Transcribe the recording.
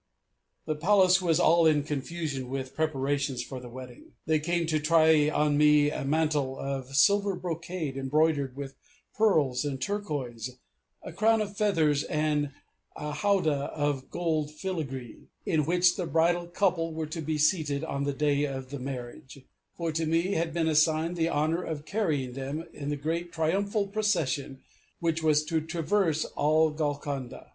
The Palace was all in confusion with preparations for the wedding. They came to try on me a mantle of silver brocade embroidered with pearls and turquoise, a crown of feathers, and a howdah of gold fillagree, in which the bridal couple were to be seated on the day of the marriage; for to me had been assigned the honour of carrying them in the great triumphal procession which was to traverse all Golconda.